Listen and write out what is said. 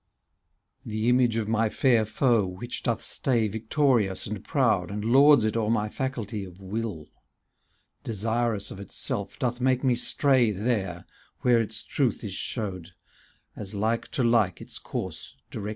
^ The image of my fair foe which doth stay Victorious and proud. And lords it o'er my faculty of will, Desirous of itself, doth make me stray There, where its truth is showed, ^ As like to like its course directing still.